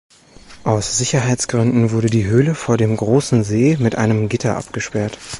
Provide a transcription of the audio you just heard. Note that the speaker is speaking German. Aus Sicherheitsgründen wurde die Höhle vor dem "Großen See" mit einem Gitter abgesperrt.